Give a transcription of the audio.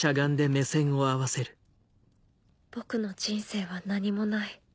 僕の人生は何もない。